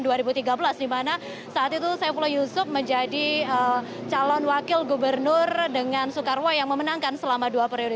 di mana saat itu saifullah yusuf menjadi calon wakil gubernur dengan soekarwo yang memenangkan selama dua periode